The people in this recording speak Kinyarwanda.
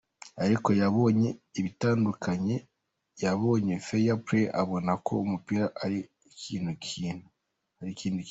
Ariko yabonye ibitandukanye, yabonye Fair Play abona ko umupira ari ikindi kintu.